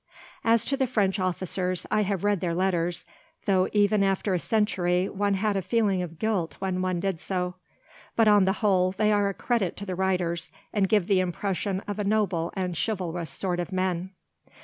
As to the French officers, I have read their letters, though even after a century one had a feeling of guilt when one did so. But, on the whole, they are a credit to the writers, and give the impression of a noble and chivalrous set of men.